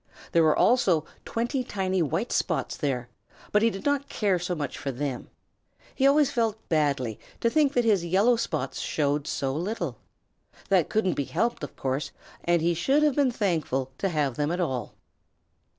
There were also twenty tiny white spots there, but he did not care so much for them. He always felt badly to think that his yellow spots showed so little. That couldn't be helped, of course, and he should have been thankful to have them at all.